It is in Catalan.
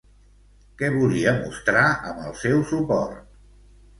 Què volia mostrar amb el seu suport?